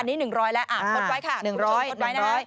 อันนี้หนึ่งร้อยแล้วอ่าคดไว้ค่ะคุณผู้ชมคดไว้นะคะ